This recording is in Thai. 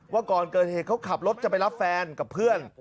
ก่อนเกิดเหตุเขาขับรถจะไปรับแฟนกับเพื่อน